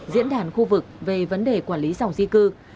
diễn đàn khu vực về vấn đề quản lý dòng di cư